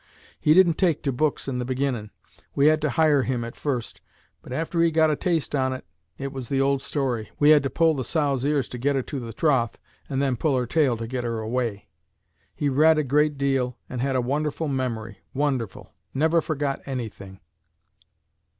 He didn't take to books in the beginnin'. We had to hire him at first, but after he got a taste on't it was the old story we had to pull the sow's ears to get her to the trough, and then pull her tail to get her away. He read a great deal, and had a wonderful memory wonderful. Never forgot anything."